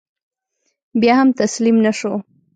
بیا هم تسلیم نه شو.